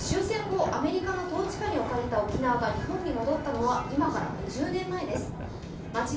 終戦後、アメリカの統治下に置かれた沖縄が日本に戻ったのは今から５０年前です。